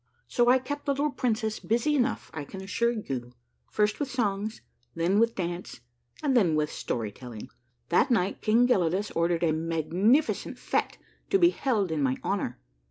So I kept the little princess busy enough, I can assure you, first with songs, then with dance, and then with story telling. That night King Gelidus ordered a magnificent fete to be held in my honor.